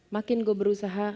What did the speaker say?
makin gue berusaha